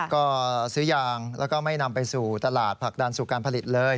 ก็ซื้อยางแล้วก็ไม่นำไปสู่ตลาดผลักดันสู่การผลิตเลย